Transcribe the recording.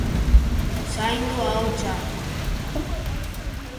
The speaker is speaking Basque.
Zaindu ahotsa.